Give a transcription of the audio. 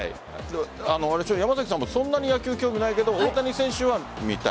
山崎さんもそんなに野球興味ないけど大谷選手は見たい？